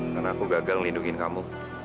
karena aku gagal melindungi kamu